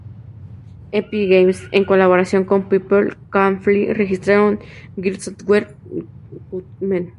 Epic Games en colaboración con People Can Fly registraron "Gears of War: Judgment".